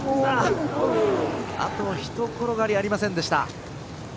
あとひと転がりありませんでした。